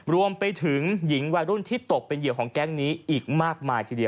รวมไปถึงหญิงวัยรุ่นที่ตกเป็นเหยื่อของแก๊งนี้อีกมากมายทีเดียว